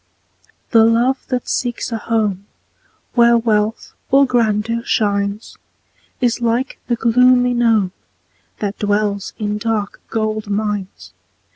The love that seeks a home Where wealth or grandeur shines, Is like the gloomy gnome, That dwells in dark gold mines.